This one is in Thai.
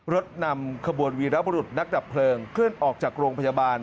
รถนำขบวนวีรบรุษนักดับเพลิงเคลื่อนออกจากโรงพยาบาล